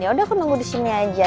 ya udah aku nunggu disini aja